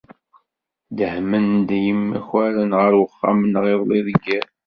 Dehmen-d yimakaren ɣer uxxam-nneɣ iḍelli deg iḍ.